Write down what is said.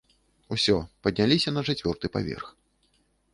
Усё, падняліся на чацвёрты паверх.